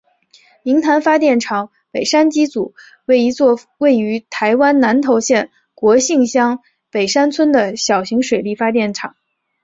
明潭发电厂北山机组为一座位于台湾南投县国姓乡北山村的小型水力发电厂。